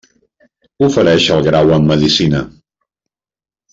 Ofereix el grau en Medicina.